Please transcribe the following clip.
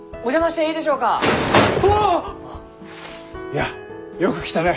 やあよく来たね。